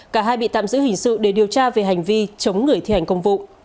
cả hai bị tạm giữ hình sự để điều tra về hành vi chống người thi hành công vụ